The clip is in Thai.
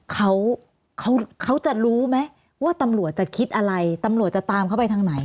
เขาเขาจะรู้ไหมว่าตำรวจจะคิดอะไรตำรวจจะตามเขาไปทางไหน